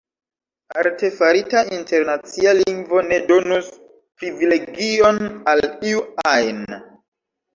Artefarita internacia lingvo ne donus privilegion al iu ajn.